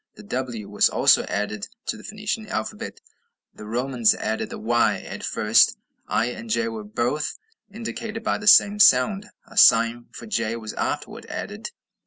The w was also added to the Phoenician alphabet. The Romans added the y. At first i and j were both indicated by the same sound; a sign for j was afterward added.